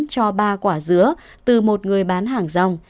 cho ba quả dứa từ một người bán hàng rong